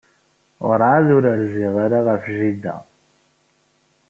Werɛad ur rziɣ ara ɣef jida.